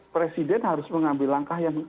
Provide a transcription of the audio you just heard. presiden harus mengambil langkah yang